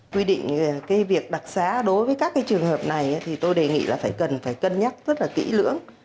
quy định cái việc đặc xá đối với các cái trường hợp này thì tôi đề nghị là phải cần phải cân nhắc rất là kỹ lưỡng